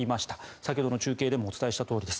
先ほどの中継でもお伝えしたとおりです。